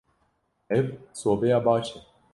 Ev sobeya baş e.